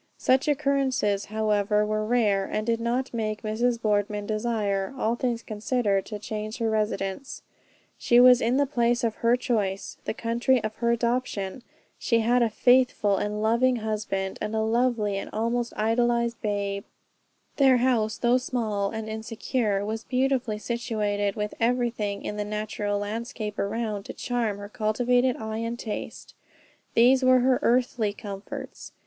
Such occurrences however were rare, and did not make Mrs. Boardman desire, all things considered, to change her residence She was in the place of her choice, the country of her adoption, she had a faithful and loving husband, and a lovely and almost idolized babe; their house, though small and insecure, was beautifully situated with everything in the natural landscape around to charm her cultivated eye and taste, these were her earthly comforts.